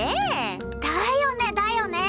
だよねだよね！